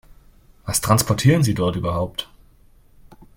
Was transportieren Sie dort überhaupt?